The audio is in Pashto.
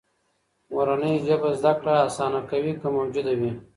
مورنۍ ژبه زده کړه آسانه کوي، که موجوده وي.